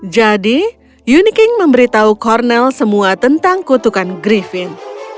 jadi uniking memberitahu cornel semua tentang kutukan griffin